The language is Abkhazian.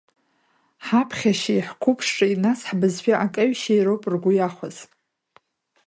Ҳаԥхьашьеи, ҳқәыԥшреи, нас ҳбызшәа акаҩшьеи роуп ргәы иахәаз.